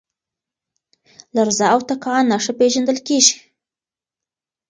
لرزه او تکان نښه پېژندل کېږي.